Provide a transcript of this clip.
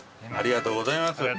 ありがとうございます。